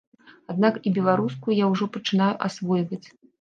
Аднак і беларускую я ўжо пачынаю асвойваць.